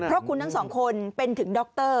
เพราะคุณทั้งสองคนเป็นถึงด็อกเตอร์